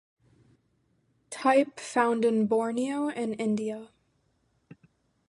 Type found in Borneo and India.